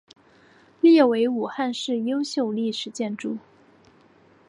列为武汉市优秀历史建筑。